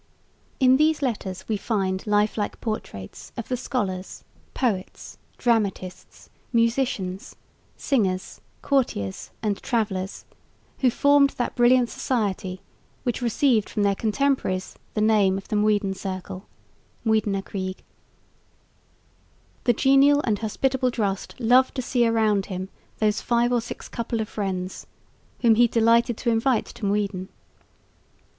In these letters we find life like portraits of the scholars, poets, dramatists, musicians, singers, courtiers and travellers, who formed that brilliant society which received from their contemporaries the name of the "Muiden Circle" Muidener Kring. The genial and hospitable Drost loved to see around him those "five or six couple of friends," whom he delighted to invite to Muiden.